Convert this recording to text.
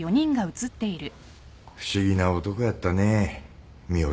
不思議な男やったねぇ三星